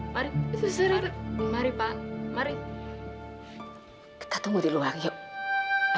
mari mari pak mari kita tunggu di luar yuk ayo pulang pak